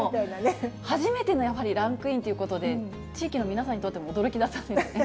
初めてのやはりランクインということで、地域の皆さんにとっても驚きだったんですね。